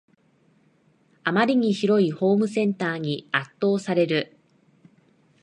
あまりに広いホームセンターに圧倒される